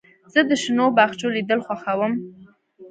زه د شنو باغچو لیدل خوښوم.